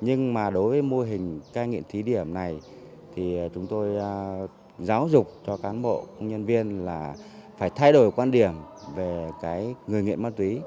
nhưng mà đối với mô hình cai nghiện thí điểm này thì chúng tôi giáo dục cho cán bộ công nhân viên là phải thay đổi quan điểm về cái người nghiện ma túy